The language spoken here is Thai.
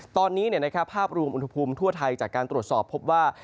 ตอนนี้ภาพรวมอุณหภูมิทั่วไทยจากการตรวจสอบพบว่า